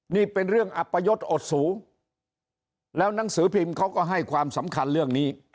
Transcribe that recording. นี่เป็นเรื่องอัปยศอดสูงแล้วหนังสือพิมพ์เขาก็ให้ความสำคัญเรื่องนี้